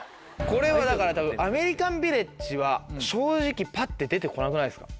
これはだからたぶんアメリカンビレッジは正直パッて出て来なくないですか？